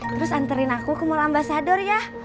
terus anterin aku ke mal ambasador ya